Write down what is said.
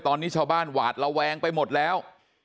ตอนนี้ชาวบ้านหวาดระแวงไปหมดแล้ว